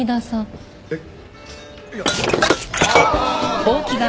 えっ。